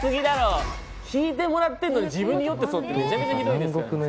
引いてもらってんのに自分に酔ってそうってめちゃめちゃひどいですよね。